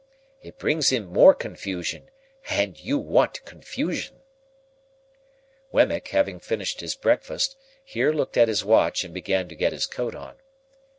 It brings in more confusion, and you want confusion." Wemmick, having finished his breakfast, here looked at his watch, and began to get his coat on.